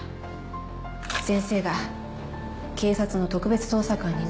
先生が警察の特別捜査官になるなんて。